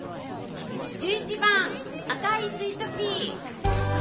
１１番「赤いスイートピー」。